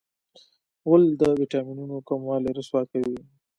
غول د وېټامینونو کموالی رسوا کوي.